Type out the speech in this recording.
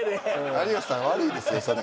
有吉さん悪いですよそれ。